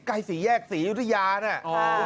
ใกล้ศรีแยกศรีอยู่ที่ยาเนี่ย